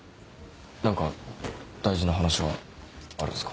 何か大事な話があるんですか？